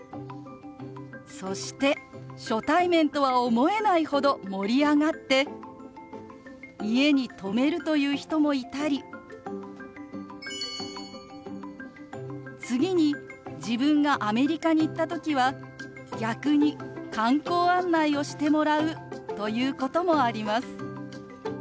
そして初対面とは思えないほど盛り上がって家に泊めるという人もいたり次に自分がアメリカに行った時は逆に観光案内をしてもらうということもあります。